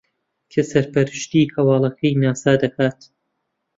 کە سەرپەرشتیی ھەوڵەکەی ناسا دەکات